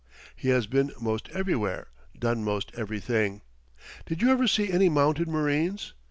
He has been most everywhere, done most everything. Did you ever see any mounted marines?